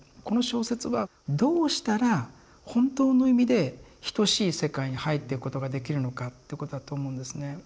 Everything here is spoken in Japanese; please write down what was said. この小説はどうしたら本当の意味で等しい世界に入っていくことができるのかってことだと思うんですね。